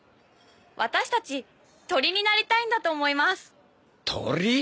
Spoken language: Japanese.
私たち鳥になりたいんだと思います鳥？